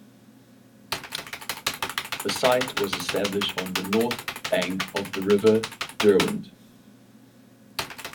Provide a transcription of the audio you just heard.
The site was established on the north bank of the River Derwent.